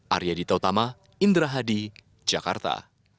arya dita utama indra hadi jakarta